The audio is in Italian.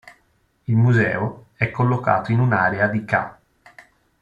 Il museo è collocato in un'area di ca.